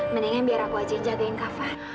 mendingan biar aku aja jagain kava